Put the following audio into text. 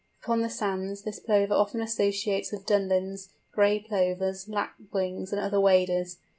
Upon the sands this Plover often associates with Dunlins, Gray Plovers, Lapwings, and other waders.